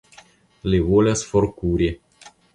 Li volas forkuri.